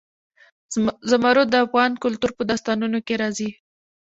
زمرد د افغان کلتور په داستانونو کې راځي.